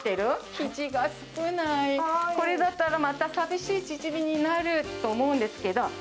生地が少ない、これだったら、また寂しいチヂミになると思うんですけど。